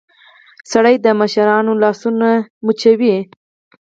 سړى د مشرانو لاسونه ښکلوي.